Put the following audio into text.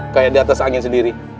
kayak di atas angin sendiri